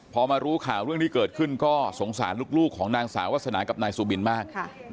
พอมารู้ข่าวเรื่องนี้เกิดขึ้นก็สงสารลูกของนางสาววาสนากับนายสุบินมาก